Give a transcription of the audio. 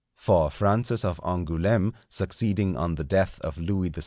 For Francis of Angoulême, succeeding on the death of Louis XII.